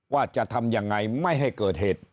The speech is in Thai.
ว่าจะทำยังไงไม่ให้เกิดเหตุ